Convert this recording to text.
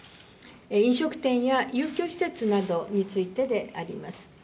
飲食店や遊興施設などについてであります。